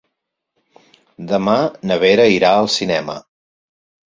Demà na Vera irà al cinema.